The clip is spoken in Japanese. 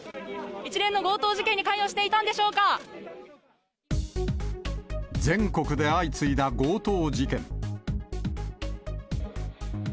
一連の強盗事件に関与してい全国で相次いだ強盗事件。